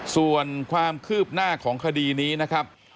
ส่วนความคืบหน้าของคดีนี้นะครับ